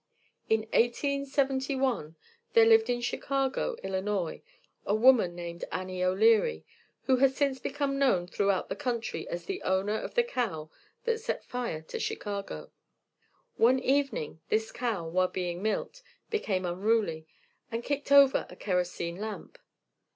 In 1871 there lived in Chicago, Illinois, a woman named Annie O'Leary who has since become known throughout the country as the owner of the cow that set fire to Chicago. One evening this cow, while being milked, became unruly, and kicked over a kerosene lamp.